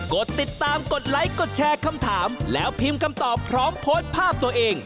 กดติดตามกดไลค์กดแชร์คำถามแล้วพิมพ์คำตอบพร้อมโพสต์ภาพตัวเอง